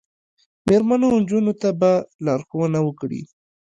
میرمنو او نجونو ته به لارښوونه وکړي